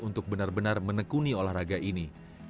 untuk benar benar menekuni olahraga ini